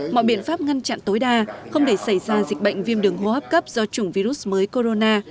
mọi biện pháp ngăn chặn tối đa không để xảy ra dịch bệnh viêm đường hô hấp cấp do chủng virus mới corona